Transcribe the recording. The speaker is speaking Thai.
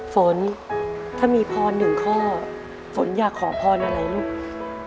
ฝนถ้ามีพร๑ข้อฝนอยากขอพรอะไรลูก